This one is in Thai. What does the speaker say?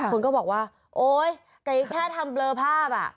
คนก็บอกว่าโอ๊ยไก่แค่ทำเลอภาพอ่ะ